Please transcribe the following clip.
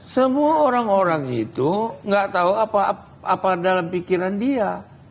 semua orang orang itu nggak tahu apa dalam pikiran dia